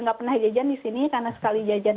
nggak pernah jajan di sini karena sekali jajan